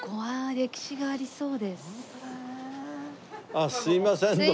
あっすいませんどうも。